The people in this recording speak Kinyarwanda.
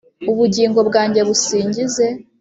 ubugingo bwanjye busingize